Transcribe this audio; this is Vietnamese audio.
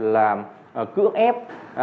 là cưỡng ép